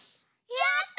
やった！